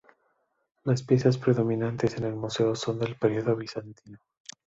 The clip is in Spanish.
Las piezas predominantes en el museo son del periodo bizantino.